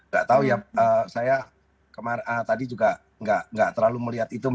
nggak tahu ya saya tadi juga nggak terlalu melihat itu